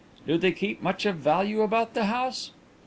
"Do they keep much of value about the house?"